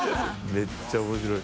めっちゃ面白い。